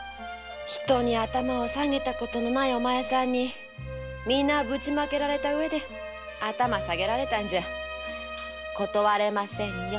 人に頭を下げた事のないお前さんに皆ぶちまけられた上で頭を下げられたんじゃ断れませんよ。